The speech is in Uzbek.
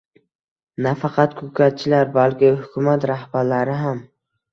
nafaqat ko‘katchilar, balki hukumat rahbarlari ham.